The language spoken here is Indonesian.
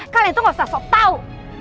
kalian tuh gak usah sok tau